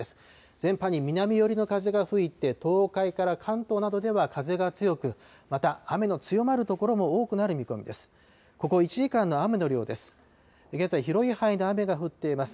全般に南寄りの風が吹いて、東海から関東などでは風が強く、また雨の強まる所も多くなる見込みです。